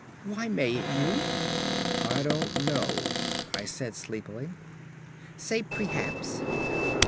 "Why mayn't you?" "I don't know," I said sleepily. "Say prehaps."